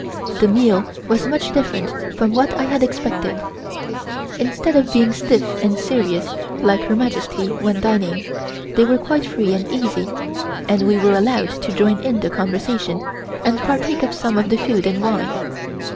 The meal was much different from what I expected. Instead of being stiff and serious like Her Majesty when dining they were quite free and easy, and we were allowed to join in the conversation and partake of some of the food and wine.